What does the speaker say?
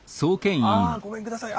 あごめんください。